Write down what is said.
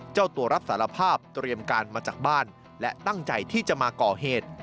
เจ้าตัวรับสารภาพเตรียมการมาจากบ้านและตั้งใจที่จะมาก่อเหตุ